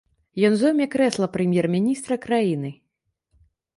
Ён зойме крэсла прэм'ер-міністра краіны.